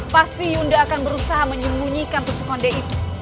pasti yunda akan berusaha menyembunyikan tusuk konde itu